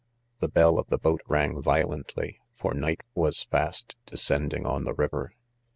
— The bell of the boat rang violently, for night was '; fast 'descending ••■ on ; the river.